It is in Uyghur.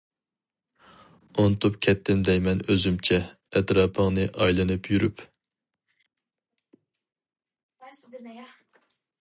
ئۇنتۇپ كەتتىم دەيمەن ئۆزۈمچە ئەتراپىڭنى ئايلىنىپ يۈرۈپ.